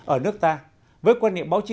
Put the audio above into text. ở nước ta với quan niệm báo chí